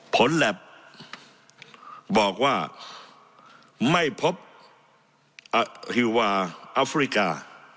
แหลปบอกว่าไม่พบฮิวาอัฟริกา